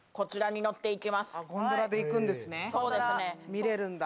見れるんだ。